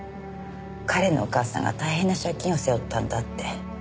彼のお母さんが大変な借金を背負ったんだって。